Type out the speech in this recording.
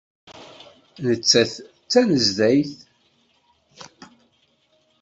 Nettas-d tanezzayt.